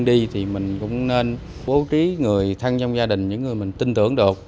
đi thì mình cũng nên bố trí người thân trong gia đình những người mình tin tưởng được